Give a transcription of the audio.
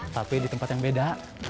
tapi di tempat yang beda